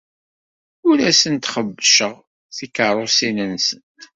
Ur asent-xebbceɣ tikeṛṛusin-nsent.